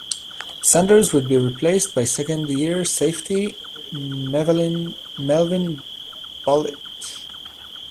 Sanders would be replaced by second-year safety Melvin Bullitt.